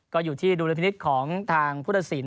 ก็อยู่ที่ดุลพินิษฐ์ของทางพุทธศิลป